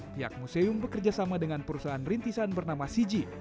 pihak museum bekerjasama dengan perusahaan rentisan bernama cg